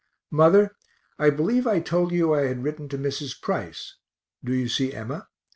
Mother, I believe I told you I had written to Mrs. Price do you see Emma?